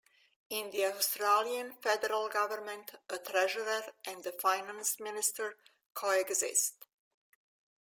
In the Australian federal government a treasurer and a finance minister co-exist.